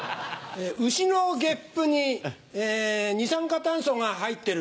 ウシのゲップに二酸化炭素が入ってる。